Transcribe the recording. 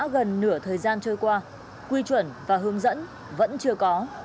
gần nửa thời gian trôi qua quy chuẩn và hướng dẫn vẫn chưa có